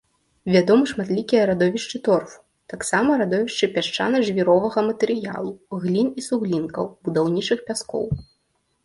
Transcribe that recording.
Вядомы шматлікія радовішчы торфу, таксама радовішчы пясчана-жвіровага матэрыялу, глін і суглінкаў, будаўнічых пяскоў.